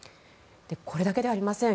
これだけではありません。